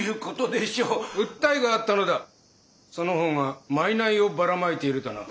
その方が賄をばらまいているとな。